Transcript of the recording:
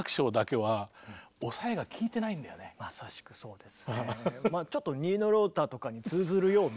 まさしくそうですね。